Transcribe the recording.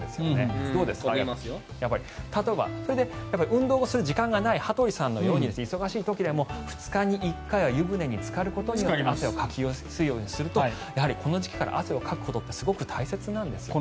運動する時間のない羽鳥さんのように、忙しい時でも２日に１回は湯船につかって汗をかきやすいようにするとこの時期から汗をかくことって大切なんですよね。